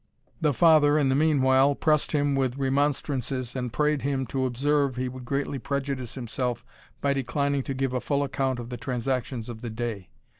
The father in the meanwhile pressed him with remonstrances, and prayed him to observe, he would greatly prejudice himself by declining to give a full account of the transactions of the day.